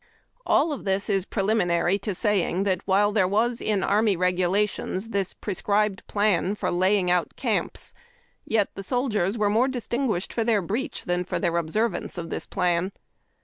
All of this is preliminary to saying that while there was in Army Regulations this prescribed plan for laying out camps, yet the soldiers were more distinguished for their breach than their observance of this plan.